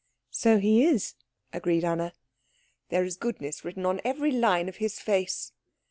"So he is," agreed Anna. "There is goodness written on every line of his face."